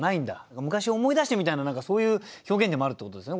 昔を思い出してみたいな何かそういう表現でもあるってことですね。